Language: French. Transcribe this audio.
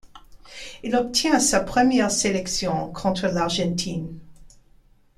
Il obtient sa première sélection contre l'Argentine.